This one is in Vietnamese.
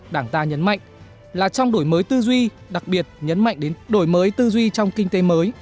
đảng ta nhấn mạnh là trong đổi mới tư duy đặc biệt nhấn mạnh đến đổi mới tư duy trong kinh tế mới